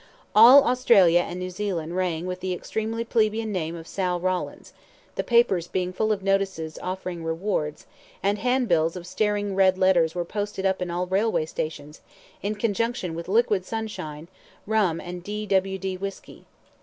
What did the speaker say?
All Australia and New Zealand rang with the extremely plebeian name of Sal Rawlins, the papers being full of notices offering rewards; and handbills of staring red letters were posted up in all railway stations, in conjunction with "Liquid Sunshine" Rum and "D.W.D." Whisky.